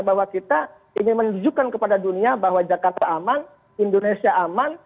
bahwa kita ingin menunjukkan kepada dunia bahwa jakarta aman indonesia aman